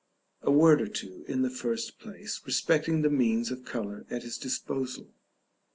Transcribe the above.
A word or two, in the first place, respecting the means of color at his disposal.